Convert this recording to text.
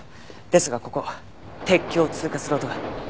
ですがここ鉄橋を通過する音が。